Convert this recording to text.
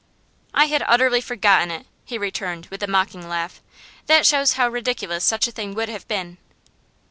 'I had utterly forgotten it,' he returned with a mocking laugh. 'That shows how ridiculous such a thing would have been.